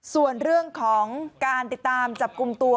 ส่วนเรื่องของการติดตามจับกลุ่มตัว